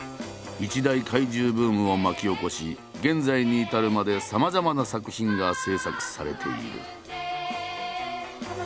一大怪獣ブームを巻き起こし現在に至るまでさまざまな作品が制作されている。